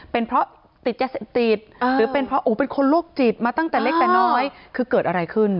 เป็นเพราะติดยาเสพติดหรือเป็นเพราะเป็นคนโรคจิตมาตั้งแต่เล็กแต่น้อยคือเกิดอะไรขึ้น